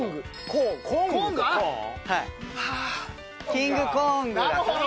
キング・コーングね。